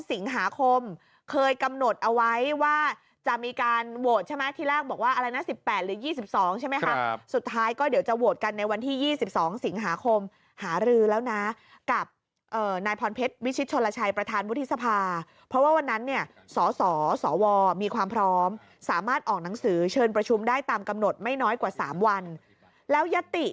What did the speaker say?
สิงหาคมเคยกำหนดเอาไว้ว่าจะมีการโหวตใช่ไหมที่แรกบอกว่าอะไรนะ๑๘หรือ๒๒ใช่ไหมครับสุดท้ายก็เดี๋ยวจะโหวตกันในวันที่๒๒สิงหาคมหารือแล้วนะกับนายพรเพชรวิชิตชนลชัยประธานวุฒิสภาเพราะว่าวันนั้นเนี่ยสสวมีความพร้อมสามารถออกหนังสือเชิญประชุมได้ตามกำหนดไม่น้อยกว่า๓วันแล้วยติ